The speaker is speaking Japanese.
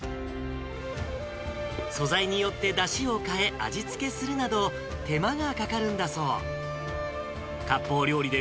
素材によってだしを変え、味付けするなど、手間がかかるんだそう。